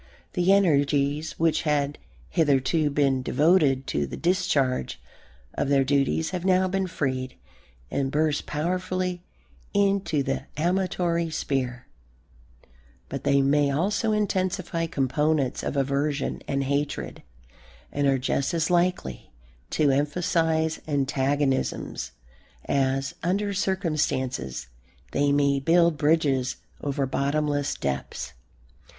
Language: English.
The energies which had hitherto been devoted to the discharge of their duties have now been freed and burst powerfully into the amatory sphere; but they may also intensify components of aversion and hatred, and are just as likely to emphasize antagonisms as, under circumstances, they may build bridges over bottomless depths.